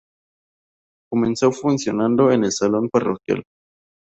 Comenzó funcionando en el salón parroquial.